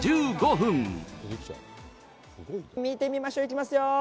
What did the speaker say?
見てみましょう、いきますよ。